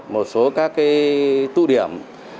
một số các tụ điểm